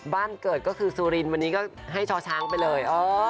บ้านเกิดก็คือสุรินทร์วันนี้ก็ให้ช่อช้างไปเลย